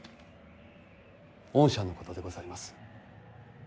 恩赦のことでございます。